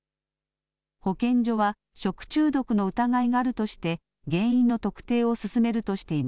保健所は食中毒の疑いがあるとして、原因の特定を進めるとしてい